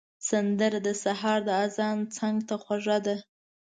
سندره د سهار د اذان څنګ ته خوږه ده